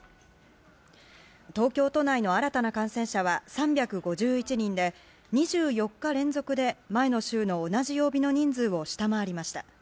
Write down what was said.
東京都内の新たな感染者は３５１人で２４日連続で前の週の同じ曜日の人数を下回りました。